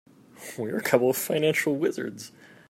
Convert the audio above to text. We're a couple of financial wizards.